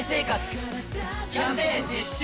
キャンペーン実施中！